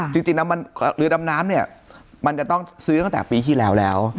จริงน้ำมันหรือดำน้ำมันจะต้องซื้อตั้งแต่ปีที่แล้ว